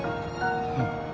うん。